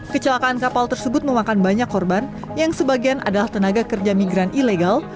kecelakaan kapal tersebut memakan banyak korban yang sebagian adalah tenaga kerja migran ilegal